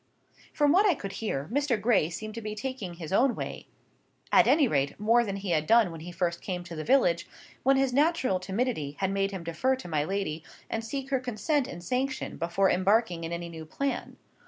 From what I could hear, Mr. Gray seemed to be taking his own way; at any rate, more than he had done when he first came to the village, when his natural timidity had made him defer to my lady, and seek her consent and sanction before embarking in any new plan.